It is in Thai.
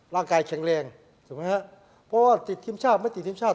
ร่างกายแข็งแรงถูกไหมฮะเพราะว่าติดทีมชาติไม่ติดทีมชาติ